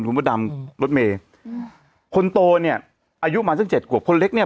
คุณพระดำรถเมย์อืมคนโตเนี่ยอายุมาสักเจ็ดขวบคนเล็กเนี่ย